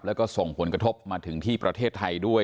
แล้วก็ส่งผลกระทบมาถึงที่ประเทศไทยด้วย